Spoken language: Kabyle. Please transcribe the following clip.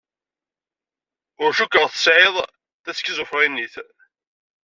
Ur cukkeɣ tesɛiḍ tiskizufrinit.